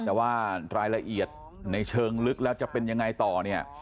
แต่ว่ารายละเอียดในเชิงลึกแล้วจะเป็นยังไงต่อเนี่ย